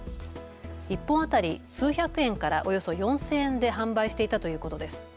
１本当たり数百円からおよそ４０００円で販売していたということです。